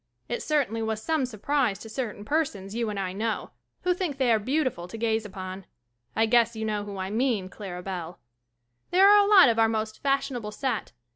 It certainly w a s some surprise to certain persons you and I know, who think they are beautifull to gaze upon. I guess you know who I mean. Clara Bell. There are a lot of our most fashion able set.